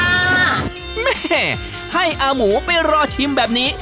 แม่ให้อาหมูไปรอชิมแบบนี้